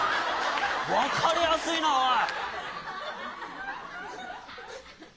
分かりやすいなおい。